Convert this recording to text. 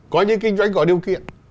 có những kinh doanh có điều kiện